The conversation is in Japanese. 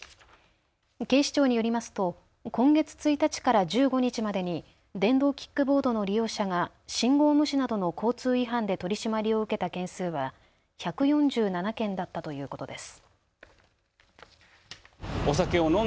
警視庁によりますと今月１日から１５日までに電動キックボードの利用者が信号無視などの交通違反で取締りを受けた件数は１４７件だったということです。